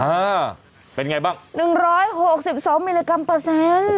อ่าเป็นไงบ้าง๑๖๒มิลลิกรัมเปอร์เซ็นต์